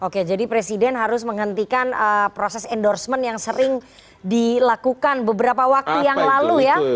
oke jadi presiden harus menghentikan proses endorsement yang sering dilakukan beberapa waktu yang lalu ya